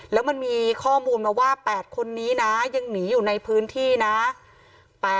แล้วมันมีข้อมูลมาว่า๘คนนี้นะยังหนีอยู่ในพื้นที่นะ